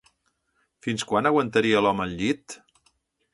Fins quan aguantaria l'home al llit?